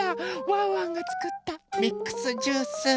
ワンワンがつくったミックスジュース。